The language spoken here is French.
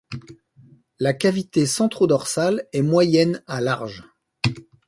La cavité centrodorsale est moyenne à large.